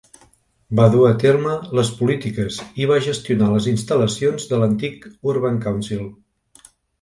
Va dur a terme les polítiques i va gestionar les instal·lacions de l'antic Urban Council.